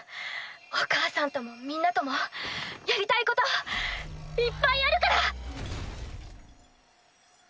お母さんともみんなともやりたいこといっぱいあるから！